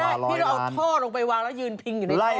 ๑๐๐ตารางวา๑๐๐ล้านไม่พี่เราเอาข้อลงไปวางและยืนพิงอยู่ในข้อ